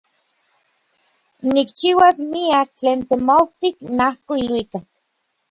Nikchiuas miak tlen temautij najko iluikak.